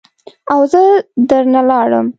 او زه در نه لاړم.